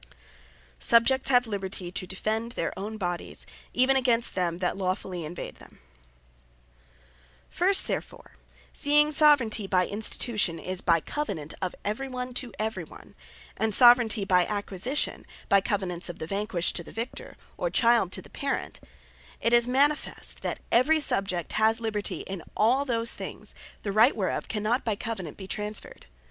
Subjects Have Liberty To Defend Their Own Bodies, Even Against Them That Lawfully Invade Them First therefore, seeing Soveraignty by Institution, is by Covenant of every one to every one; and Soveraignty by Acquisition, by Covenants of the Vanquished to the Victor, or Child to the Parent; It is manifest, that every Subject has Liberty in all those things, the right whereof cannot by Covenant be transferred.